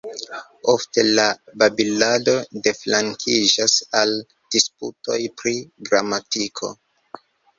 Ofte, la babilado deflankiĝas al disputoj pri gramatiko.